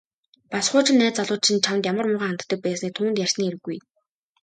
Бас хуучин найз залуу чинь чамд ямар муухай ханддаг байсныг түүнд ярьсны хэрэггүй.